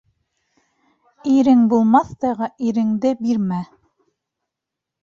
Ирең булмаҫтайға иренеңде бирмә.